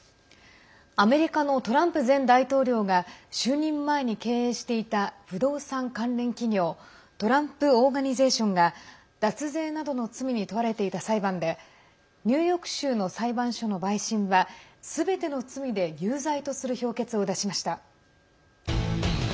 アメリカのトランプ前大統領が就任前に経営していた不動産関連企業トランプ・オーガニゼーションが脱税などの罪に問われていた裁判でニューヨーク州の裁判所の陪審はすべての罪で有罪とする評決を出しました。